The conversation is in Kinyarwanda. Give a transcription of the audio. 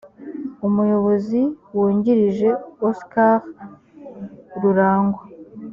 umuyobozi wungirije oscar rurangwa